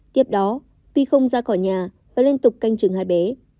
tiếp đó vi không ra khỏi nhà và liên tục canh chứng hai bé